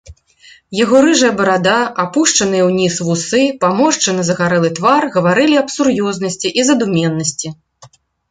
Яго рыжая барада, апушчаныя ўніз вусы, паморшчаны загарэлы твар гаварылі аб сур'ёзнасці і задуменнасці.